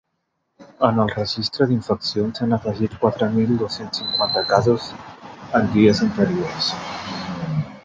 En el registre d’infeccions s’han afegit quatre mil dos-cents cinquanta casos en dies anteriors.